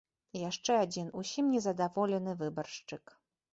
Яшчэ адзін ўсім незадаволены выбаршчык.